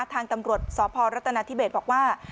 ทางตำรวจสพรัฐนาธิเบศบอกว่า